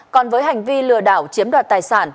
còn với hành vi lừa đảo chiếm đoạt tài sản